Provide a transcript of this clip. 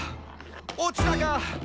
落ちたか！」